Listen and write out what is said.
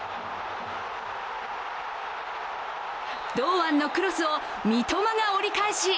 堂安のクロスを三笘が折り返し